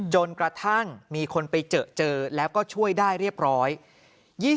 จนกระทั่งมีคนไปเจอเจอแล้วก็ช่วยได้เรียบร้อย